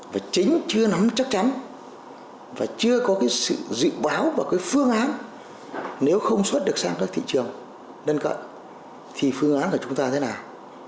và chính chưa nắm chắc chắn và chưa có cái sự dự báo và phương án nếu không xuất được sang các thị trường đơn cận thì phương án của chúng ta thế nào